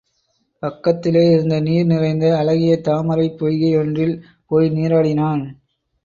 பக்கத்திலே இருந்த நீர் நிறைந்த அழகிய தாமரைப் பொய்கை யொன்றில் போய் நீராடினான்.